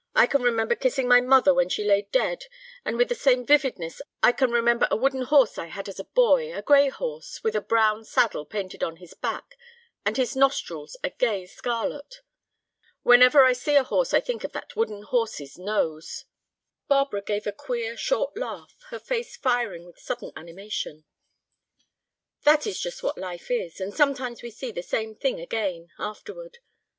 I can remember kissing my mother when she lay dead. And with the same vividness I can remember a wooden horse I had as a boy, a gray horse with a brown saddle painted on his back, and his nostrils a gay scarlet. Whenever I see a horse I think of that wooden horse's nose." Barbara gave a queer, short laugh, her face firing with sudden animation. "That is just what life is. And sometimes we see the same thing again—afterward.